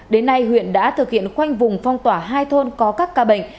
đến nay huyện đã thực hiện khoanh vùng phong tỏa hai thôn có các ca bệnh